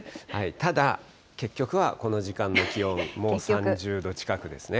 ただ、結局はこの時間の気温、もう３０度近くですね。